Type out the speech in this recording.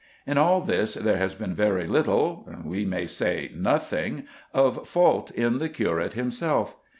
In all this there has been very little, we may say nothing, of fault in the curate himself.